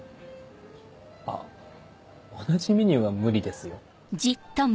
あ同じメニューは無理ですよ。